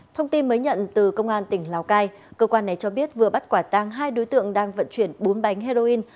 thông tin mới nhận từ công an tỉnh lào cai cơ quan này cho biết vừa bắt quả tang hai đối tượng đang vận chuyển bốn bánh heroin